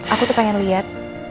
aku tuh pengen liat